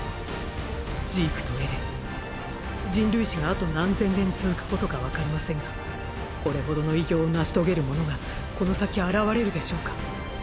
ジークとエレン人類史があと何千年続くことかわかりませんがこれほどの偉業を成し遂げる者がこの先現れるでしょうか？